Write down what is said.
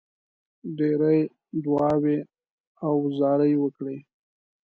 ډېرې دعاوي او زارۍ وکړې.